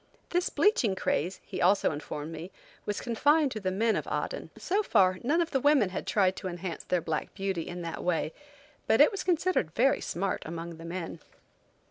This bleaching craze, he also informed me, was confined to the men of Aden. So far, none of the women had tried to enhance their black beauty in that way, but it was considered very smart among the men.